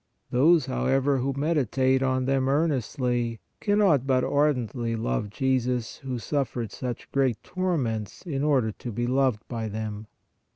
Those, however, who meditate on them earnestly, cannot but ardently love Jesus who suffered such great torments in order to be loved by them.